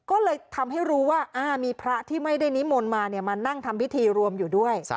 ก็เลยทำให้รู้ว่ามีพระที่ไม่ได้นิมนต์มามานั่งทำพิธีรวมอยู่ด้วย